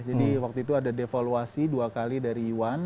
jadi waktu itu ada devaluasi dua kali dari yuan